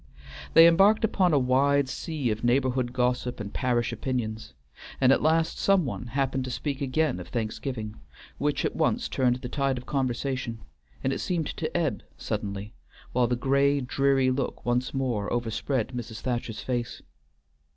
They embarked upon a wide sea of neighborhood gossip and parish opinions, and at last some one happened to speak again of Thanksgiving, which at once turned the tide of conversation, and it seemed to ebb suddenly, while the gray, dreary look once more overspread Mrs. Thacher's face.